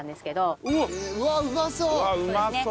うわうまそう！